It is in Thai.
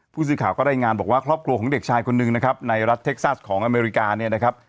ผู้สื่อข่าวก็ได้งานบอกว่าครอบครัวของเด็กชายคนหนึ่งนะครับในรัฐเท็กซัสของอเมริกาเนี่ยนะครับ